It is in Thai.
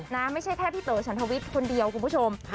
ไม่ใช่แค่พี่เต๋อฉันทวิทย์คนเดียวคุณผู้ชม